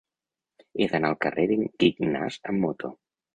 He d'anar al carrer d'en Gignàs amb moto.